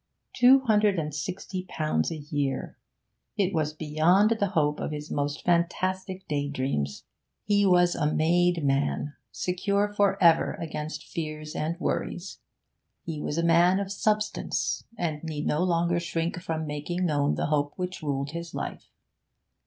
Two hundred and sixty pounds a year! It was beyond the hope of his most fantastic day dreams. He was a made man, secure for ever against fears and worries. He was a man of substance, and need no longer shrink from making known the hope which ruled his life.